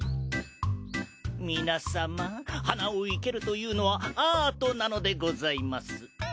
皆様花を生けるというのはアートなのでございます。